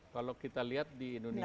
kalau kita lihat di indonesia